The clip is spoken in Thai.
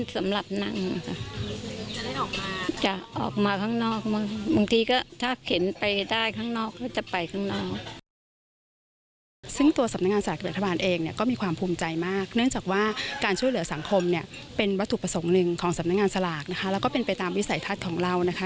สำนักงานสลากนะคะแล้วก็เป็นไปตามวิสัยทัศน์ของเรานะคะ